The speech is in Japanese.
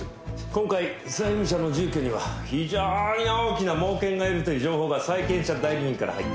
今回債務者の住居には非常に大きな猛犬がいるという情報が債権者代理人から入った。